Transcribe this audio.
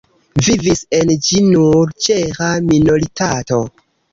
Vivis en ĝi nur ĉeĥa minoritato.